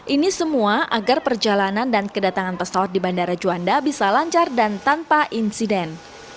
ini semua agar perjalanan dan kedatangan pesawat di bandara juanda bisa lancar dan tanpa insiden